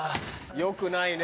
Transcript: よくないね。